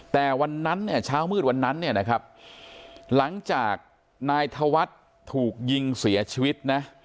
แต่วันนั้นเช้ามืดวันนั้นหลังจากนายธวัฒน์ถูกยิงเสียชีวิต